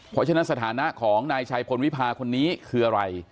เพราะฉะนั้นสถานะของนายชัยพลวิพาคนนี้คืออะไร